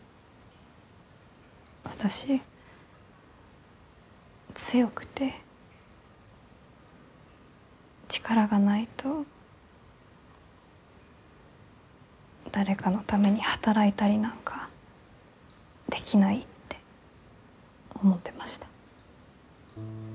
私強くて力がないと誰かのために働いたりなんかできないって思ってました。